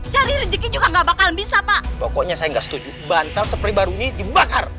cari rejeki juga nggak bakal bisa pak pokoknya saya nggak setuju bantal seperti baru ini dibakar